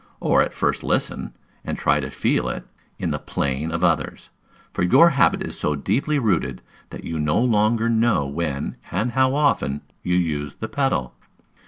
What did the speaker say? Or at first listen, and try to feel it in the playing of others; for your habit is so deeply rooted that you no longer know when and how often you use the pedal.